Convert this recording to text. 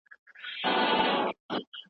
پدغسي حالاتو کي مساوات نظم له منځه وړي.